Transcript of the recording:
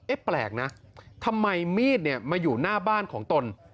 แปลกนะทำไมมีดเนี่ยมาอยู่หน้าบ้านของตน